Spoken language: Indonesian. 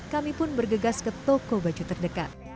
kami pun bergegas ke toko baju terdekat